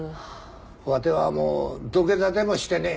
わてはもう土下座でもしてね